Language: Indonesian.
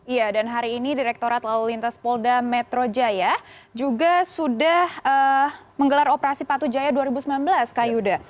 iya dan hari ini direkturat lalu lintas polda metro jaya juga sudah menggelar operasi patu jaya dua ribu sembilan belas kak yuda